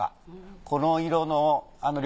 この色の菱